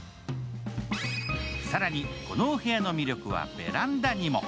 更にこのお部屋の魅力はベランダにも。